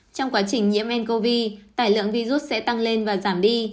trong quá trình nhiễm ncov tải lượng virus sẽ tăng lên và giảm đi